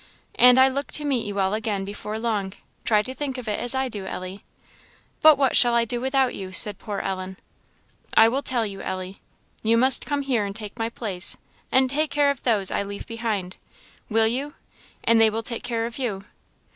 And I look to meet you all again before long. Try to think of it as I do, Ellie." "But what shall I do without you?" said poor Ellen. "I will tell you, Ellie. You must come here and take my place, and take care of those I leave behind; will you? and they will take care of you."